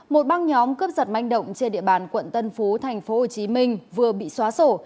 một băng nhóm cướp giật manh động trên địa bàn quận tân phú tp hcm vừa bị xóa sổ